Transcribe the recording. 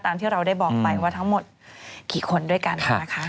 ที่เราได้บอกไปว่าทั้งหมดกี่คนด้วยกันนะคะ